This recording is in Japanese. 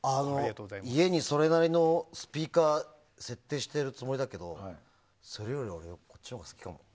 家にそれなりのスピーカー設定してるつもりだけどそれより、こっちのほうが好きだな。